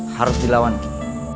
harus dilawan ki